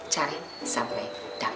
cari sampai dapat